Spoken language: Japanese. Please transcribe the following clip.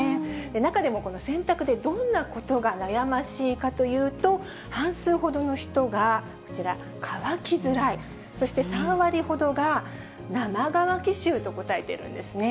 中でもこの洗濯で、どんなことが悩ましいかというと、半数ほどの人がこちら、乾きづらい、そして３割ほどが、生乾き臭と答えているんですね。